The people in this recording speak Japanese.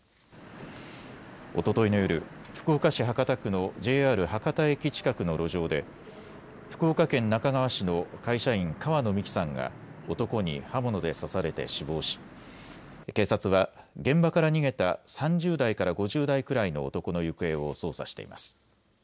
おとといの夜、福岡市博多区のＪＲ博多駅近くの路上で福岡県那珂川市の会社員、川野美樹さんが男に刃物で刺されて死亡し警察は現場から逃げた３０代から５０代くらいの男の行方を捜査しています。